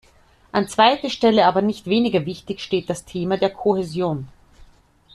An zweiter Stelle aber nicht weniger wichtig steht das Thema der Kohäsion.